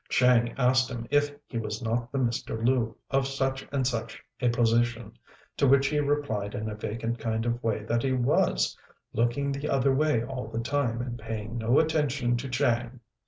Chang asked him if he was not the Mr. Lu, of such and such a position, to which he replied in a vacant kind of way that he was, looking the other way all the time and paying no attention to Chang.